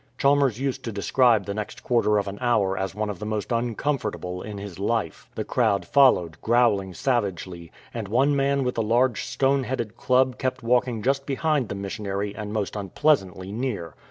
Chalmers used to describe the next quarter of an hour as one of the most uncomfortable in his life. The crowd followed, growling savagely, and one man with a large stone headed club kept walking just behind the missionary and most unpleasantly near.